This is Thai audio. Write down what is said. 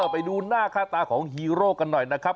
ไปดูหน้าค่าตาของฮีโร่กันหน่อยนะครับ